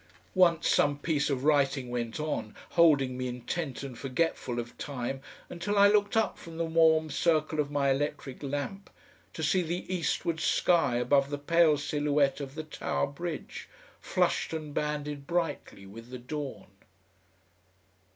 Once some piece of writing went on, holding me intent and forgetful of time until I looked up from the warm circle of my electric lamp to see the eastward sky above the pale silhouette of the Tower Bridge, flushed and banded brightly with the dawn.